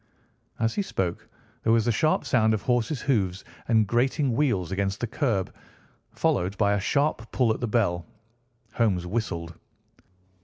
As he spoke there was the sharp sound of horses' hoofs and grating wheels against the curb, followed by a sharp pull at the bell. Holmes whistled.